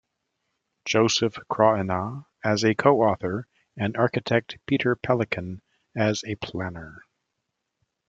Joseph Krawina as a co-author and architect Peter Pelikan as a planner.